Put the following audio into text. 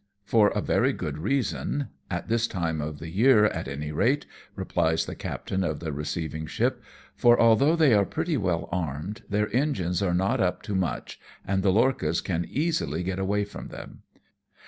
" For a very good reason, at this time of the year at any rate," replies the captain of the receiving ship ;" for, although they are pretty well armed, their engines are not up to much, and the lorchas can easily get away from them.